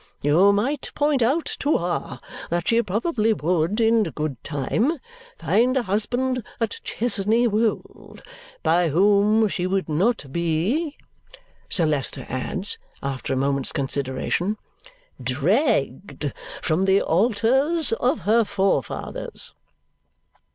You might point out to her that she probably would, in good time, find a husband at Chesney Wold by whom she would not be " Sir Leicester adds, after a moment's consideration, "dragged from the altars of her forefathers."